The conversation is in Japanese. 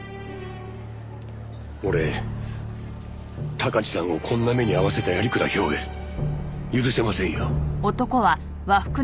俺鷹児さんをこんな目に遭わせた鑓鞍兵衛許せませんよ。